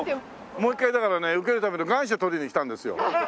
もう一回だからね受けるための願書取りに来たんですよ。